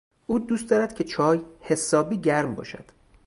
او دوست دارد که چای، حسابی گرم باشد.